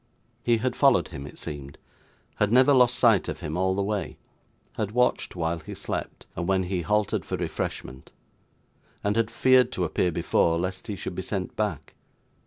He had followed him, it seemed; had never lost sight of him all the way; had watched while he slept, and when he halted for refreshment; and had feared to appear before, lest he should be sent back.